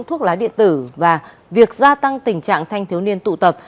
thuốc lá điện tử và việc gia tăng tình trạng thanh thiếu niên tụ tập